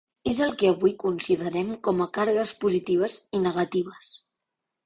És el que avui considerem com a càrregues positives i negatives.